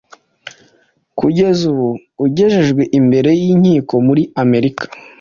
kugeza ubu ugejejwe imbere y'inkiko muri Amerika.